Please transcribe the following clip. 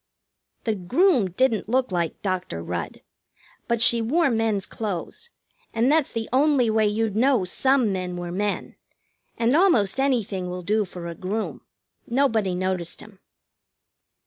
The groom didn't look like Dr. Rudd. But she wore men's clothes, and that's the only way you'd know some men were men, and almost anything will do for a groom. Nobody noticed him.